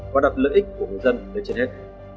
và đặt lợi ích của người dân lên trên hết